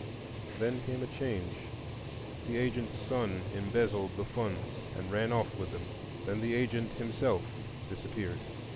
Then came a change. The agent's son embezzled the funds and ran off with them. Then the agent himself disappeared.